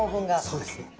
そうですね。